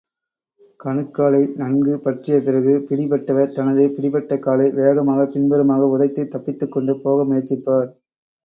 கணுக்காலை நன்கு பற்றிய பிறகு, பிடிபட்டவர் தனது பிடிபட்ட காலை வேகமாகப் பின்புறமாக உதைத்து, தப்பித்துக்கொண்டு போக முயற்சிப்பார்.